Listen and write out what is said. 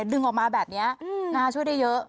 ดึงออกมาแบบนี้ช่วยได้เยอะ